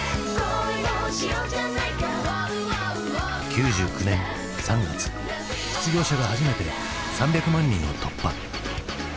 ９９年３月失業者が初めて３００万人を突破。